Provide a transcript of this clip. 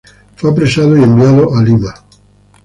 Fue apresado y enviado a Lima.